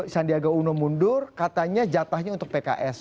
sandiaga uno mundur katanya jatahnya untuk pks